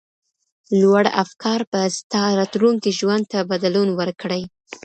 لوړ افکار به ستا راتلونکي ژوند ته بدلون ورکړي.